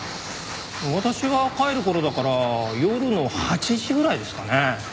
私が帰る頃だから夜の８時ぐらいですかね。